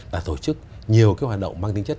và tổ chức nhiều hoạt động mang tinh chất